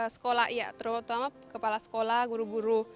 sekolah ya terutama kepala sekolah guru guru